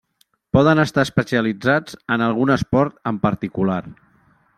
Poden estar especialitzats en algun esport en particular.